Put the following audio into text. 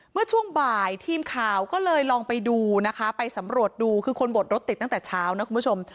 เมื่อช่วงบ่ายทีมข่าวก็เลยลองไปดูนะคะไปสำรวจดูคือคนบดรถติดตั้งแต่เช้านะคุณผู้ชม